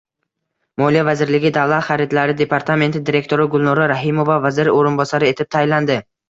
Moliya vazirligi Davlat xaridlari departamenti direktori Gulnora Rahimova vazir o‘rinbosari etib tayinlandi.